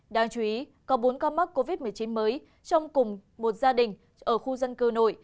đáng chú ý có bốn ca mắc covid một mươi chín mới trong cùng một gia đình ở khu dân cư nội